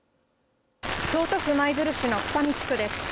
京都府舞鶴市のきたみ地区です。